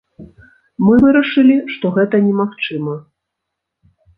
Мы вырашылі, што гэта немагчыма.